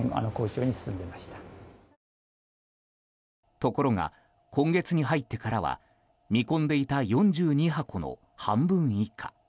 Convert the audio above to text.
ところが、今月に入ってからは見込んでいた４２箱の半分以下。